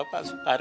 terima kasih pak